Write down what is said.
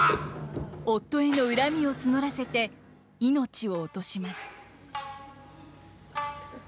夫への恨みを募らせて命を落とします。